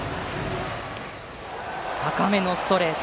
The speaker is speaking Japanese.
高めのストレート。